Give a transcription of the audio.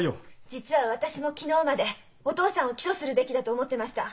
実は私も昨日までお父さんを起訴するべきだと思ってました。